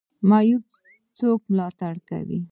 معیوب څوک ملاتړ کوي؟